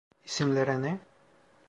İsimleri ne?